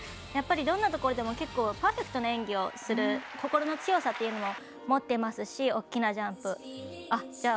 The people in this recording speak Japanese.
やっぱりどんなところでもパーフェクトな演技をする心の強さというのを持っていますし、大きなジャンプ。